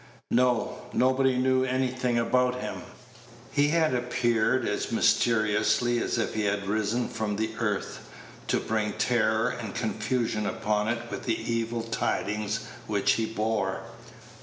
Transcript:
No; nobody knew anything about him. He had appeared as mysteriously as if he had risen from the earth, to bring terror and confusion upon it with the evil tidings which he bore.